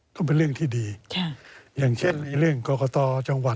ก็เป็นเรื่องที่ดีค่ะอย่างเช่นเรื่องกรกตจังหวัด